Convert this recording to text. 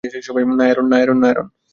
না, অ্যারন।